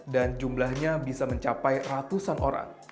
dan jumlahnya bisa mencapai ratusan orang